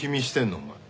お前。